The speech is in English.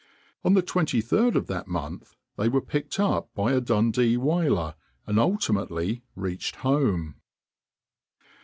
On the 23d of that month they were picked up by a Dundee whaler, and ultimately reached home.